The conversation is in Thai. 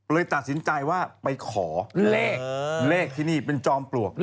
เลยตัดสินใจว่าไปขอเลขเลขที่นี่เป็นจอมปลวก